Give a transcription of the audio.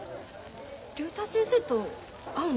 竜太先生と会うの？